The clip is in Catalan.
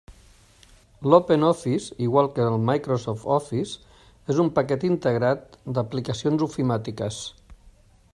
L'OpenOffice, igual que el Microsoft Office, és un paquet integrat d'aplicacions ofimàtiques.